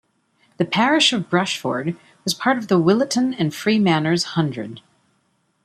The parish of Brushford was part of the Williton and Freemanners Hundred.